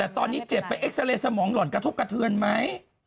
แต่ตอนนี้เจ็บไปเอ็กซาเรย์สมองหล่อนกระทบกระเทือนไหม